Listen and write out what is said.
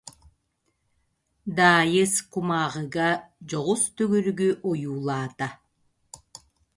Даайыс кумааҕыга дьоҕус төгүрүгү ойуулаата.